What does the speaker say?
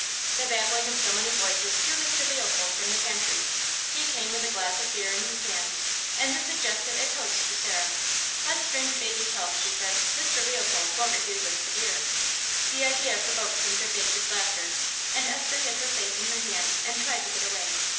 The babbling of so many voices drew Mr. Leopold from the pantry; he came with a glass of beer in his hand, and this suggested a toast to Sarah. "Let's drink baby's health," she said. "Mr. Leopold won't refuse us the beer." The idea provoked some good natured laughter, and Esther hid her face in her hands and tried to get away.